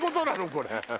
これ。